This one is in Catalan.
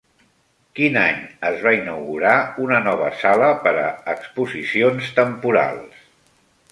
Quin any es va inaugurar una nova sala per a exposicions temporals?